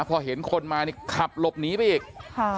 พอเห็นคนมานี่ขับหลบหนีไปอีกค่ะ